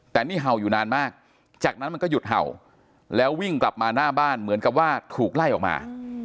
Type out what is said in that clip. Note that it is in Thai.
แต่นี่เห่าอยู่นานมากจากนั้นมันก็หยุดเห่าแล้ววิ่งกลับมาหน้าบ้านเหมือนกับว่าถูกไล่ออกมา